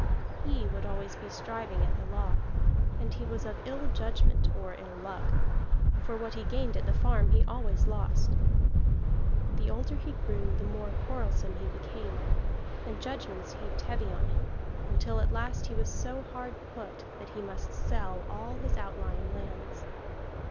He would always be striving at the law, and he was of ill judgment or ill luck, for what he gained at the farm he always lost. The older he grew, the more quarrelsome he became; and judgments heaped heavy on him, until at last he was so hard put that he must sell all his outlying lands.